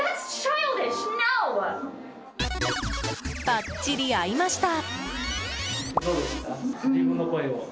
ばっちり合いました！